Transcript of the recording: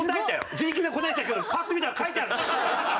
自力で答えたけどパッと見たら書いてあるし！